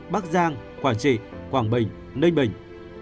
bắc giang quảng trị quảng bình ninh bình